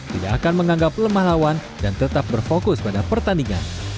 tidak akan menganggap lemah lawan dan tetap berfokus pada pertandingan